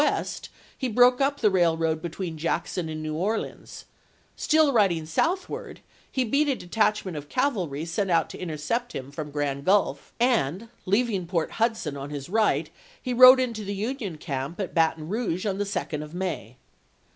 west, he broke up the railroad between Jackson ay5> and New Orleans ; still riding southward, he beat a detachment of cavalry sent out to intercept him from Grand Grulf, and leaving Port Hudson on his right he rode into the Union camp at Baton Rouge on the 2d of May.